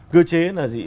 cơ chế là gì